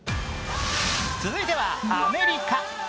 続いてはアメリカ。